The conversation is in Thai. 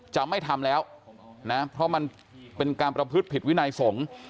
จะไม่ทำแล้วนะเพราะมันเป็นการประพฤติผิดวินัยสงฆ์